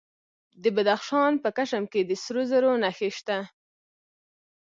د بدخشان په کشم کې د سرو زرو نښې شته.